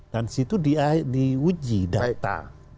dan disitu di uji data